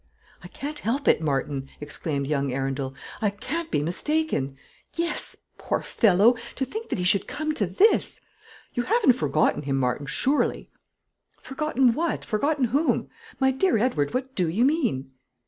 "I can't help it, Martin," exclaimed young Arundel; "I can't be mistaken yes poor fellow, to think that he should come to this! you haven't forgotten him, Martin, surely?" "Forgotten what forgotten whom? My dear Edward, what do you mean?"